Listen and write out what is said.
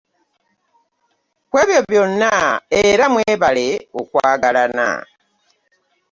Ku ebyo byonna era mwambale okwagalana.